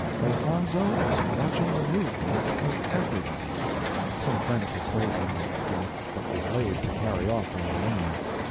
Elfonzo was watching the movements of everybody; some friends had told him of the plot that was laid to carry off Ambulinia.